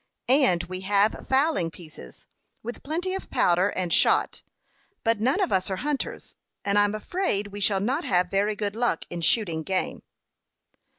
"And we have fowling pieces, with plenty of powder and shot; but none of us are hunters, and I'm afraid we shall not have very good luck in shooting game."